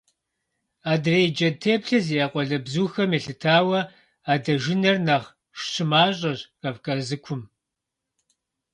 Адрей джэд теплъэ зиӀэ къуалэбзухэм елъытауэ адэжынэр нэхъ щымащӀэщ Кавказыкум.